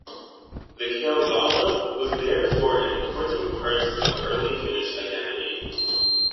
The "Kalevala" was therefore an important part of early Finnish identity.